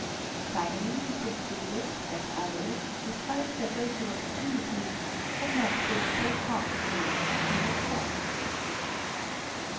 Finally he concluded that others, despite their greater opportunities, had not been so far seeing as he had thought.